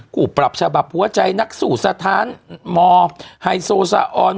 ผู้ปรับฉบับหัวใจนักสู้สถานมไฮโซซาออน